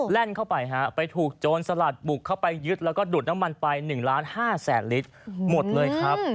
ลั่นเข้าไปฮะไปถูกโจรสลัดบุกเข้าไปยึดแล้วก็ดูดน้ำมันไป๑ล้าน๕แสนลิตรหมดเลยครับ